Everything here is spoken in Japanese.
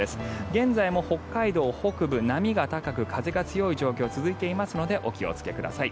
現在も北海道北部、波が高く風が強い状況が続いていますのでお気をつけください。